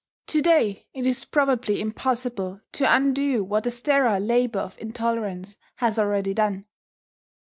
To day it is probably impossible to undo what the sterile labour of intolerance has already done.